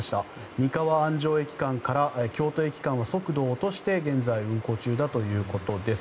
三河安城駅から京都駅間は速度を落として現在、運行中だということです。